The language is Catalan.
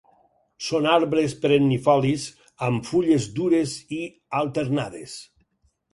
Són arbres perennifolis amb fulles dures i alternades.